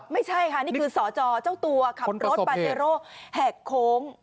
ไม่ใช่ค่ะนี่คือสจเจ้าตัวขับรถปาเจโร่แหกโค้ง